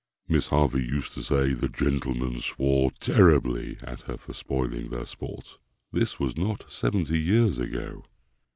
Miss Harvey used to say "the gentlemen swore terribly" at her for spoiling their sport. This was not seventy years ago!